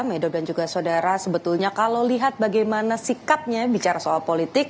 medo dan juga saudara sebetulnya kalau lihat bagaimana sikapnya bicara soal politik